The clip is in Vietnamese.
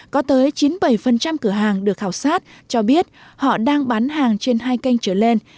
có tới chín mươi bảy cửa hàng được khảo sát cho biết họ đang bán hàng trên hai kênh trở lên